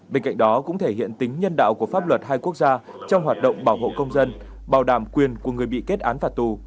bên cạnh đó cũng thể hiện tính nhân đạo của pháp luật hai quốc gia trong hoạt động bảo hộ công dân bảo đảm quyền của người bị kết án phạt tù